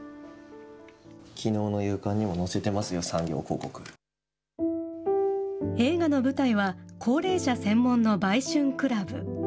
きのうの夕刊にも載せてますよ、映画の舞台は、高齢者専門の売春クラブ。